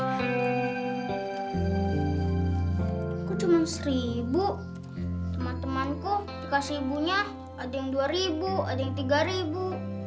aku cuma seribu temanku dikasih ibunya ada yang dua ribu ada yang tiga ribu